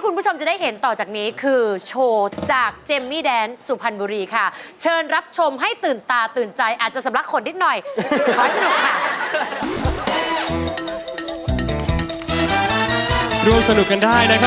รักคุณเสียยิ้มกว่าใครหมด